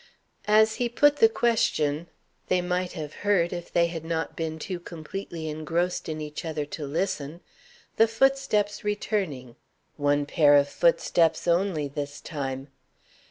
As he put the question, they might have heard (if they had not been too completely engrossed in each other to listen) the footsteps returning one pair of footsteps only this time.